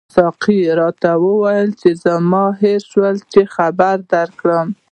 ساقي راته وویل چې زما هېر شول چې خبر درکړم.